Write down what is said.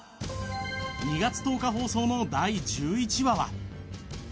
２月１０日放送の第１１話は。